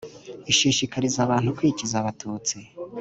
ishishikariza abantu kwikiza abatutsi